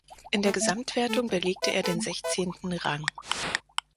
In der Gesamtwertung belegte er den sechzehnten Rang.